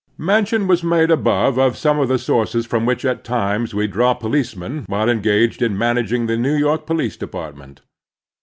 Mention was made above of some of the sotux^es from which at times we drew policemen while engaged in managing the New York Police Depart ment.